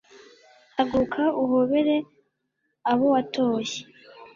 haguruka uhorere abo watoye